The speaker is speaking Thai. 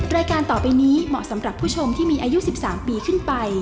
รายการต่อไปนี้เหมาะสำหรับผู้ชมที่มีอายุ๑๓ปีขึ้นไป